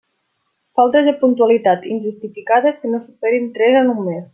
Faltes de puntualitat, injustificades, que no superin tres en un mes.